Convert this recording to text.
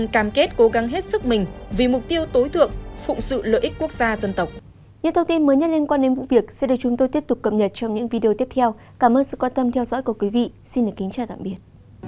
cảm ơn sự quan tâm theo dõi của quý vị xin kính chào tạm biệt